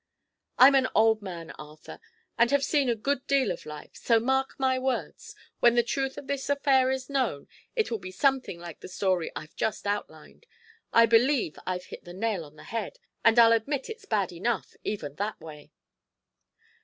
I'm an old man, Arthur, and have seen a good deal of life, so mark my words: when the truth of this affair is known, it will be something like the story I've just outlined. I believe I've hit the nail on the head, and I'll admit it's bad enough, even that way."